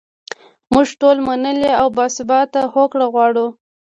موږ ټول منلې او باثباته هوکړه غواړو.